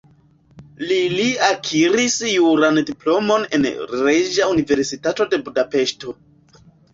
Li li akiris juran diplomon en Reĝa Universitato de Budapeŝto.